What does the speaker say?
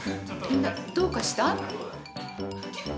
みんなどうかした？